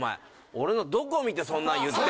俺のどこを見てそんなん言ってんだよ